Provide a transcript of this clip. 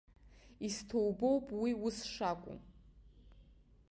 Исҭоубоуп уи ус шакәу!